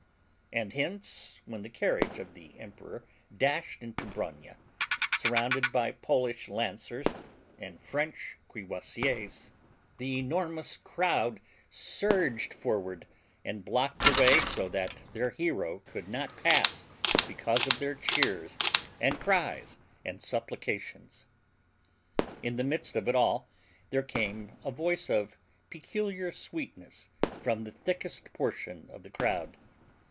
And hence, when the carriage of the emperor dashed into Bronia, surrounded by Polish lancers and French cuirassiers, the enormous crowd surged forward and blocked the way so that their hero could not pass because of their cheers and cries and supplications. In the midst of it all there came a voice of peculiar sweetness from the thickest portion of the crowd.